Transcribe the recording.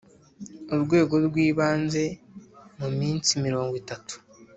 urwego rw ibanze mu minsi mirongo itatu